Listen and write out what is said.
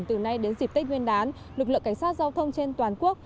từ nay đến dịp tết nguyên đán lực lượng cảnh sát giao thông trên toàn quốc